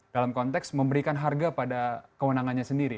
dalam konteks memberikan harga pada kewenangannya sendiri